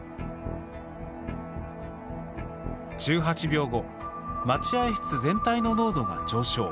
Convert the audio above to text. １８秒後待合室全体の濃度が上昇。